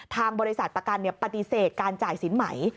ทางบริษัทประกันปฏิเสธการจ่ายสินใหม่